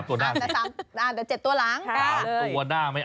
๓ตัวหน้า